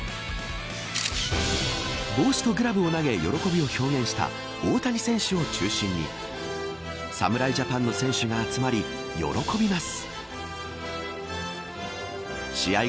帽子とグラブを投げ喜びを表現した大谷選手を中心に侍ジャパンの選手が集まり喜びます。